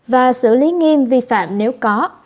và xử lý nghiêm vi phạm nếu có